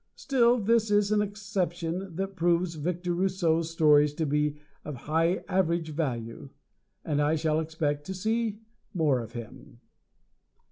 Still, this is an exception that proves Victor Rousseau's stories to be of high average value. And I shall expect to see more of him.